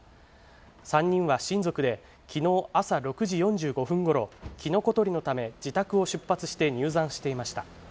３人は親族で、きのう朝６時４５分ごろ、キノコ採りのため自宅を出発して入山していました。